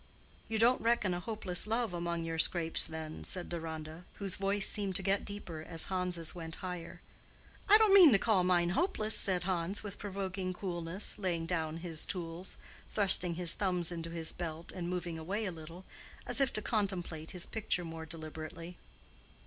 "You don't reckon a hopeless love among your scrapes, then," said Deronda, whose voice seemed to get deeper as Hans's went higher. "I don't mean to call mine hopeless," said Hans, with provoking coolness, laying down his tools, thrusting his thumbs into his belt, and moving away a little, as if to contemplate his picture more deliberately.